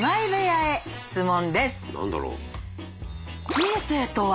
何だろう？